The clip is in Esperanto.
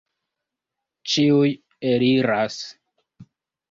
Ĉiuj eliras!